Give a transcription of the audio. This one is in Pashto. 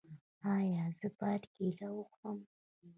ایا زه باید کیله وخورم؟